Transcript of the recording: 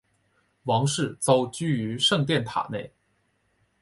王室遭拘于圣殿塔内。